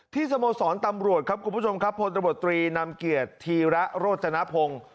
สโมสรตำรวจครับคุณผู้ชมครับพลตำรวจตรีนำเกียรติธีระโรจนพงศ์